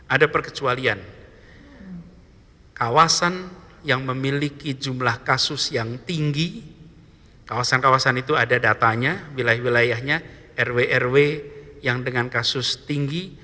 ada perkecualian kawasan yang memiliki jumlah kasus yang tinggi kawasan kawasan itu ada datanya wilayah wilayahnya rw rw yang dengan kasus tinggi